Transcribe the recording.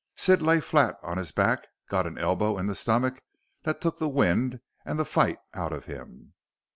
Sid lit flat on his back, got an elbow in the stomach that took the wind and the fight out of him.